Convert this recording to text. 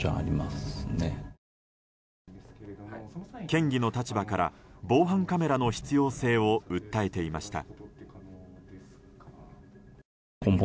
県議の立場から防犯カメラの必要性を訴えていました。